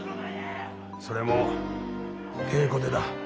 それも稽古でだ。